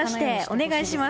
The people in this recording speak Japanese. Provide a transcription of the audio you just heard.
お願いします！